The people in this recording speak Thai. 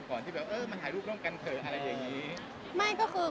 ก่อนที่แบบเออมาถ่ายรูปร่งกันเถอะอะไรอย่างนี้